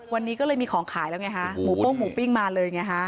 วันนี้ก็เลยมีของขายแล้วไงฮะหมูป้งหมูปิ้งมาเลยไงฮะ